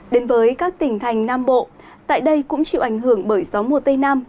đến với các tỉnh thành nam bộ tại đây cũng chịu ảnh hưởng bởi gió mùa tây nam